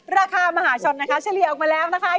ราคามหาชนนะคะเฉลี่ยออกมาแล้วนะคะ